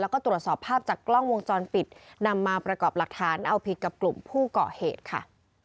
แล้วก็ตรวจสอบภาพจากกล้องวงจรปิดนำมาประกอบหลักฐานเอาผิดกับกลุ่มผู้เกาะเหตุค่ะ